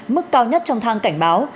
mức cao nhất trong thang cảnh báo